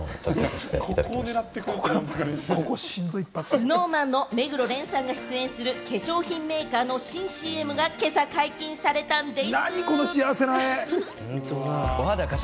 ＳｎｏｗＭａｎの目黒蓮さんが出演する、化粧品メーカーの新ＣＭが今朝解禁されたんでぃす。